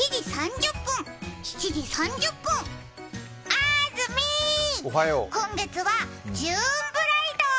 あーずみー、今月はジューンブライド。